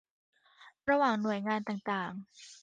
ระหว่างหน่วยงานต่างต่าง